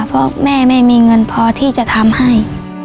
เพราะแม่ไม่มีเงินพอที่จะทำให้